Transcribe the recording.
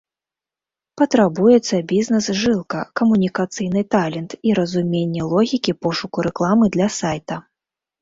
Патрабуюцца бізнэс-жылка, камунікацыйны талент і разуменне логікі пошуку рэкламы для сайта.